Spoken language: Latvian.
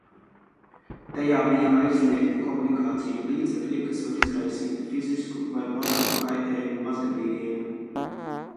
Tajā bija aizliegti komunikāciju līdzekļi, kas var izraisīt fizisku vai morālu kaitējumu mazgadīgajiem.